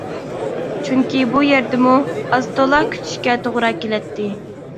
چۈنكى بۇ يەردىمۇ ئاز-تولا كۈتۈشكە توغرا كېلەتتى.